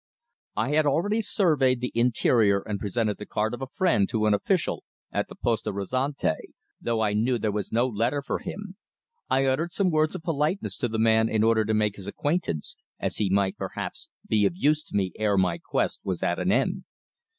I had already surveyed the interior and presented the card of a friend to an official at the Poste Restante, though I knew there was no letter for him. I uttered some words of politeness to the man in order to make his acquaintance, as he might, perhaps, be of use to me ere my quest was at an end.